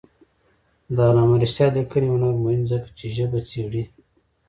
د علامه رشاد لیکنی هنر مهم دی ځکه چې ژبه څېړي.